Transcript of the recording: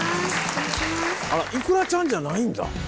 あらｉｋｕｒａちゃんじゃないんだ。